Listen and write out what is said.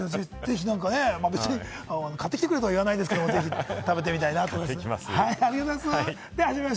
ぜひ何かね、買ってきてくれとは言わないですけれども、食べてみたいなと思います。